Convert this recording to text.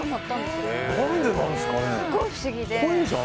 すごい不思議で。